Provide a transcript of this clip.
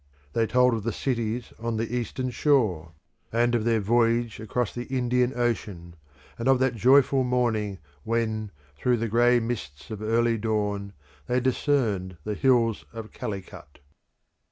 They told of the cities on the Eastern shore, and of their voyage across the Indian Ocean, and of that joyful morning when, through the grey mists of early dawn, they discerned the hills of Calicut.